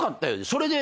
それで。